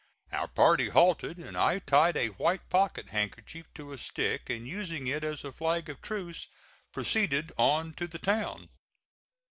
Our party halted, and I tied a white pocket handkerchief to a stick and, using it as a flag of truce, proceeded on to the town.